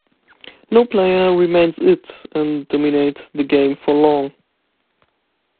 No player remains "it" and dominates the game for long.